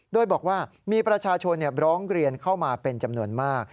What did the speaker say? โดยบอกว่ามีประชาชนร้องเรียนเข้ามาเป็นจำนวนมาก